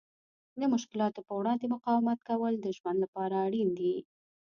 د مشکلاتو په وړاندې مقاومت کول د ژوند لپاره اړین دي.